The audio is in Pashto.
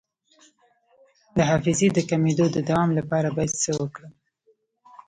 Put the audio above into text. د حافظې د کمیدو د دوام لپاره باید څه وکړم؟